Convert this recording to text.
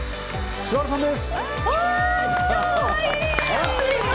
菅原さんです。